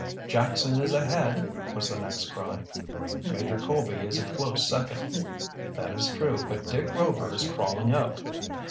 "Jackson is ahead!" was the next cry. "Major Colby is a close second!" "That is true, but Dick Rover is crawling up!"